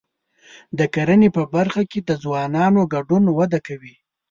د کرنې په برخه کې د ځوانانو ګډون وده کوي.